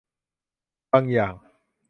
บางอย่าง